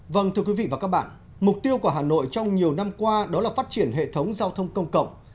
vâng thưa quý vị và các bạn mục tiêu của hà nội trong nhiều năm qua đó là phát triển hệ thống giao thông công cộng